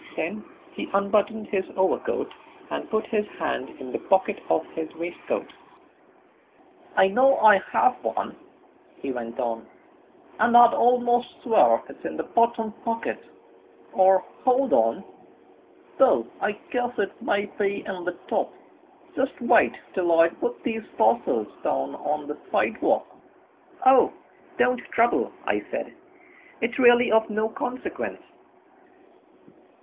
Then he unbuttoned his overcoat and put his hand in the pocket of his waistcoat. "I know I have one," he went on, "and I'd almost swear it's in the bottom pocket or, hold on, though, I guess it may be in the top just wait till I put these parcels down on the sidewalk." "Oh, don't trouble," I said, "it's really of no consequence."